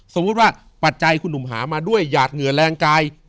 สมมุติว่าปัจจัยคุณหนุ่มหามาด้วยหยาดเหงื่อแรงกาย